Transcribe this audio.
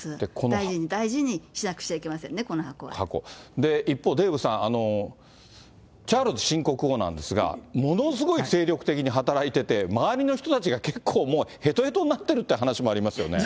大事に、大事にしなくち一方、デーブさん、チャールズ新国王なんですが、ものすごい精力的に働いてて、周りの人たちが結構もう、へとへとになってるっていう話もありますよね。